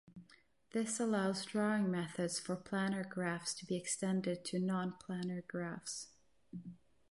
This allows drawing methods for planar graphs to be extended to non-planar graphs.